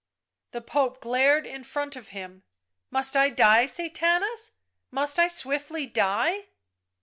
The Pope glared in front of him. " Must I die, Sathanas — must I swiftly die?"